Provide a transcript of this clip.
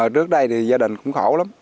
trước đây thì gia đình cũng khổ lắm